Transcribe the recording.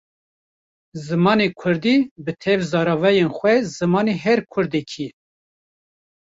Zimanê Kurdî bi tev zaravayên xwe zimanê her Kurdekî ye.